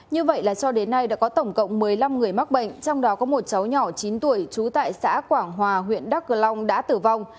như vậy là cho đến nay đã có tổng cộng một mươi năm người mắc bệnh trong đó có một cháu nhỏ chín tuổi trú tại xã quảng hòa huyện đắk cờ long đã tử vong